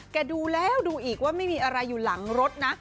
ดูแล้วดูอีกว่าไม่มีอะไรอยู่หลังรถนะ